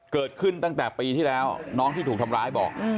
เกิดขึ้นตั้งแต่ปีที่แล้วน้องที่ถูกทำร้ายบอก